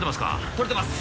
取れてます